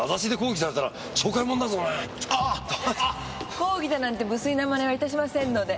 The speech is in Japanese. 抗議だなんて無粋な真似はいたしませんので。